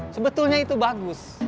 sebetulnya itu bagus